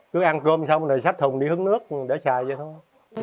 cứ ăn cơm xong rồi xách thùng đi hướng nước để xài vậy thôi